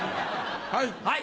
はい！